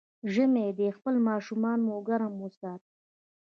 ژمی دی، خپل ماشومان مو ګرم وساتئ.